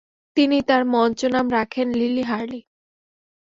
তিনি তার মঞ্চনাম রাখেন লিলি হার্লি।